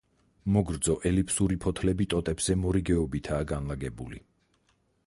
მოგრძო ელიფსური ფოთლები ტოტებზე მორიგეობითაა განლაგებული.